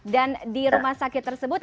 dan di rumah sakit tersebut